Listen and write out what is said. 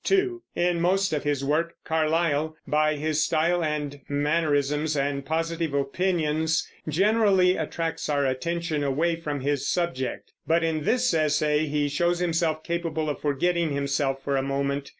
(2) In most of his work Carlyle, by his style and mannerisms and positive opinions, generally attracts our attention away from his subject; but in this essay he shows himself capable of forgetting himself for a moment.